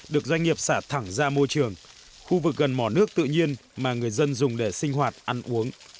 được doanh nghiệp xả thẳng ra môi trường khu vực gần mỏ nước tự nhiên mà người dân dùng để sinh hoạt ăn uống